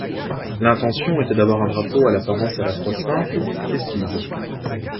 L'intention était d'avoir un drapeau à l'apparence à la fois simple et festive.